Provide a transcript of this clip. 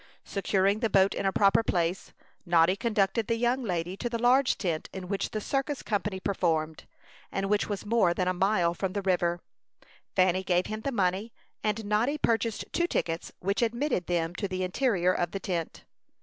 Securing the boat in a proper place, Noddy conducted the young lady to the large tent in which the circus company performed, and which was more than a mile from the river. Fanny gave him the money, and Noddy purchased two tickets, which admitted them to the interior of the tent.